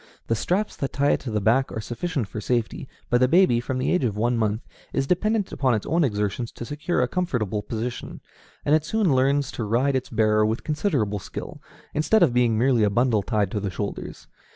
The straps that tie it to the back are sufficient for safety; but the baby, from the age of one month, is dependent upon its own exertions to secure a comfortable position, and it soon learns to ride its bearer with considerable skill, instead of being merely a bundle tied to the shoulders.